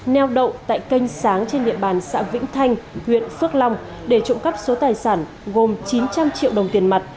neo đậu tại kênh sáng trên địa bàn xã vĩnh thanh huyện phước long để trộm cắp số tài sản gồm chín trăm linh triệu đồng tiền mặt